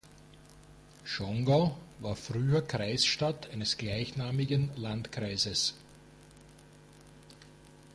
Schongau war früher Kreisstadt eines gleichnamigen Landkreises.